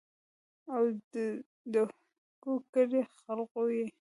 او دَکور کلي خلقو ئې